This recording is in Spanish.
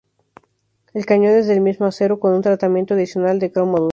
El cañón es del mismo acero con un tratamiento adicional de cromo duro.